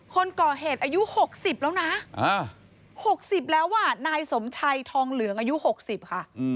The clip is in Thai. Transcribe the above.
คนก่อเหตุอายุหกสิบแล้วนะหกสิบแล้วว่ะนายสมชัยทองเหลืองอายุหกสิบค่ะ